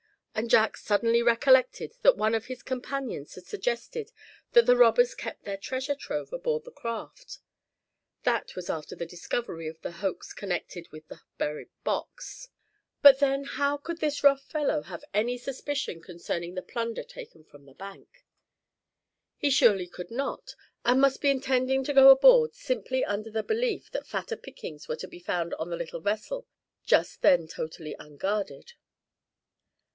And Jack suddenly recollected that one of his companions had suggested that the robbers kept their treasure trove aboard the craft. That was after the discovery of the hoax connected with the buried box. But then how could this rough fellow have any suspicion concerning the plunder taken from the bank? He surely could not, and must be intending to go aboard simply under the belief that fatter pickings were to be found on the little vessel just then totally unguarded.